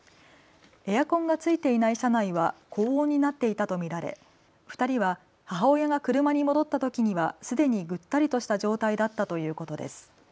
エアコンがついていない車内は高温になっていたと見られ２人は母親が車に戻ったときにはすでにぐったりとした状態だったということです。